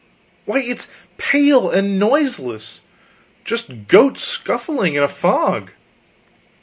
why, it's pale and noiseless just ghosts scuffling in a fog.